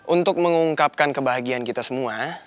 untuk mengungkapkan kebahagiaan kita semua